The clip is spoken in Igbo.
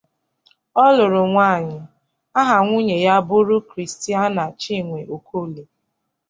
Ọ luru nwanyi; aha nwunye ya bụrụ Christiana Chinwe Okoli.